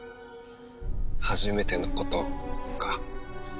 初めてのことか。